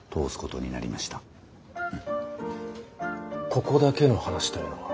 ここだけの話というのは？